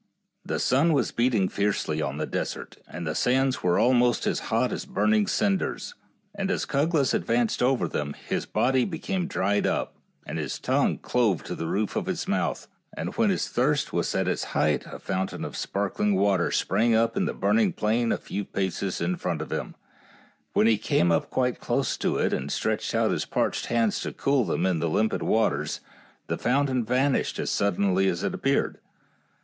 The sun was beating fiercely on the desert, and the sands were almost as hot as burning cinders ; and as Cuglas advanced over them his body be came dried up, and his tongue clove to the roof of his mouth, and when his thirst was at its height a fountain of sparkling water sprang up in the burning plain a few paces in front of him ; but when he came up quite close to it and stretched out his parched hands to cool them in the limpid waters, the fountain vanished as sud denly as it appeared.